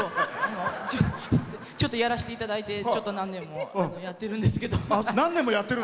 ちょっとやらせていただいて何年もやってるんですけど。